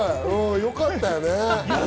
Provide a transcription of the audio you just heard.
よかったよね？